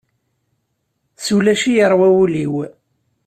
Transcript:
S ulac i yeṛwa wul-iw.